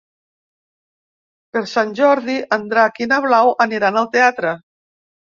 Per Sant Jordi en Drac i na Blau aniran al teatre.